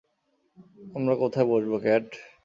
আমরা কোথায় বসব, ক্যাট?